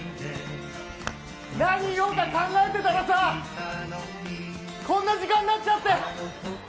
何言おうか考えてたらさ、こんな時間になっちゃって。